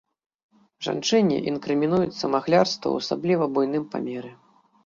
Жанчыне інкрымінуецца махлярства ў асабліва буйным памеры.